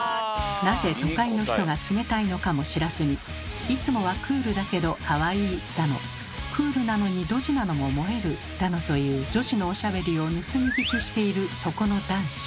なぜ「都会の人が冷たい」のかも知らずに「いつもはクールだけどかわいい」だの「クールなのにドジなのも萌える」だのという女子のおしゃべりを盗み聞きしているそこの男子。